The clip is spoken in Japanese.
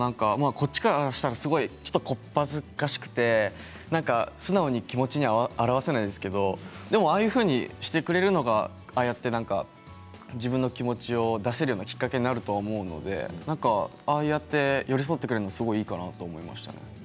こっちからしたら小っ恥ずかしくて素直に気持ちに表せないんですけれどああいうふうにしてくれるのが自分の気持ちを出せるきっかけになると思うのでああやって寄り添ってくれるのはすごくいいなと思いました。